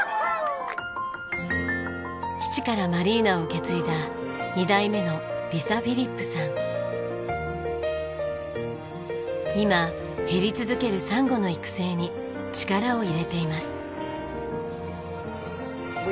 父からマリーナを受け継いだ２代目の今減り続けるサンゴの育成に力を入れています。